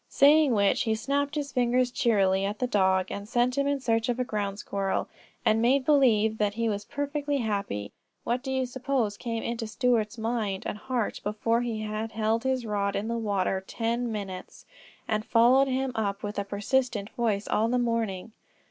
Saying which he snapped his fingers cheerily at the dog, and sent him in search of a ground squirrel, and made believe that he was perfectly happy. What do you suppose came into Stuart's mind and heart before he had held his rod in the water ten minutes, and followed him up with a persistent voice all the morning?